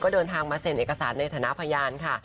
เดินทางมาเซ็นเอกสารในฐานะพยานค่ะ